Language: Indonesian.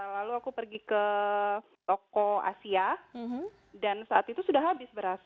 lalu aku pergi ke toko asia dan saat itu sudah habis beras